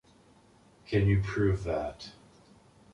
Can you prove that?